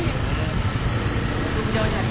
สวัสดีครับทุกคน